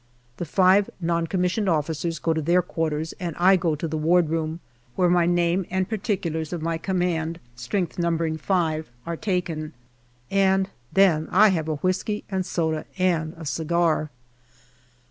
The five N.C.O.'s go to their quarters and I go to the wardroom, where my name and particulars of my command (strength numbering five) are taken. And then I have a whisky and soda and a cigar.